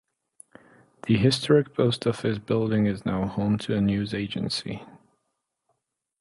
The historic post office building is now home to a news agency.